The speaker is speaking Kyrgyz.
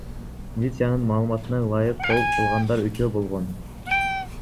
Милициянын маалыматына ылайык, кол салгандар үчөө болгон.